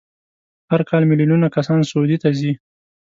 هر کال میلیونونه کسان سعودي ته ځي.